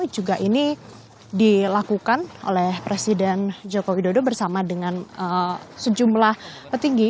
juga ini dilakukan oleh presiden joko widodo bersama dengan sejumlah petinggi